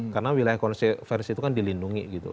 karena wilayah konversi itu kan dilindungi gitu